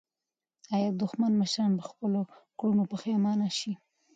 آیا د دښمن مشران به په خپلو کړنو پښېمانه شي؟